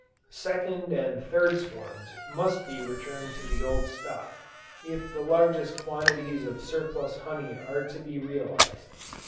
Second and third swarms must be returned to the old stock, if the largest quantities of surplus honey are to be realized.